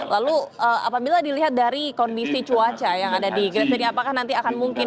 lalu apabila dilihat dari kondisi cuaca yang ada di gresik ini apakah nanti akan mungkin